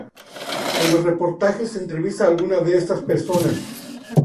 En los reportajes se entrevista a alguna de estas personas.